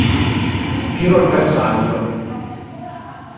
Tiro al bersaglio